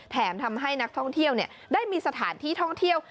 ทำให้นักท่องเที่ยวได้มีสถานที่ท่องเที่ยว